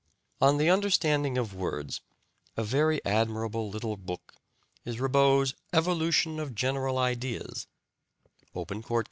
On the understanding of words, a very admirable little book is Ribot's "Evolution of General Ideas," Open Court Co.